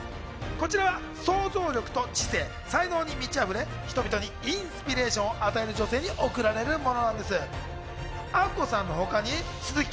こちらは創造力と知性、才能に満ちあふれ、人々にインスピレーションを与える女性に贈られるものなんです。